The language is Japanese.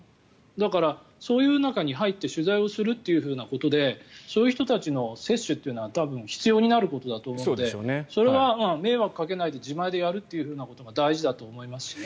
だから、その中に入って取材をするというふうなことでそういう人たちの接種というのは多分必要になることだと思うのでそれは迷惑をかけないで自前でやるということが大事だと思いますしね。